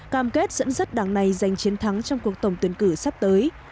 cam kết dẫn dắt đảng này giành chiến thắng trong cuộc tổng tuyển cử sắp tới